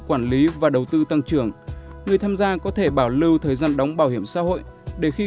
quản lý và đầu tư tăng trưởng người tham gia có thể bảo lưu thời gian đóng bảo hiểm xã hội để khi